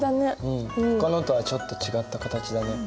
ほかのとはちょっと違った形だね。